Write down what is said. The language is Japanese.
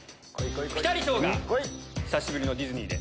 ピタリ賞が久しぶりのディズニーで。